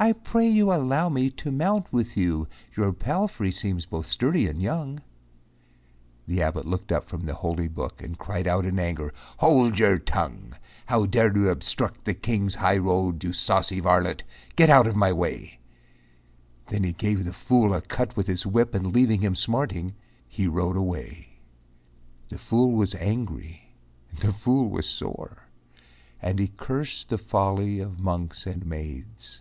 "I pray you allow me to mount with you, Your palfrey seems both sturdy and young." The abbot looked up from the holy book And cried out in anger, "Hold your tongue! "How dare you obstruct the King's highroad, You saucy varlet, get out of my way." Then he gave the fool a cut with his whip And leaving him smarting, he rode away. The fool was angry, the fool was sore, And he cursed the folly of monks and maids.